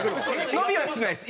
伸びはしないです。